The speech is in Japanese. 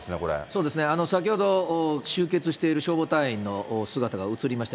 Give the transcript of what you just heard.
そうですね、先ほど、集結している消防隊員の姿が映りました。